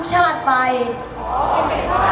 เสด็จสู่สวรรคาไลสุดใกล้ฟ้า